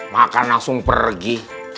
makan langsung pergi